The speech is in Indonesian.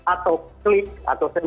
atau klik atau saya